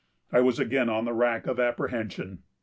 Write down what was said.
I was again on the rack of apprehension.